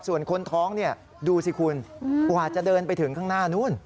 ส่วนคนท้องดูสิคุณกว่าจะเดินไปถึงข้างหน้านู้น